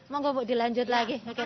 mau enggak bu dilanjut lagi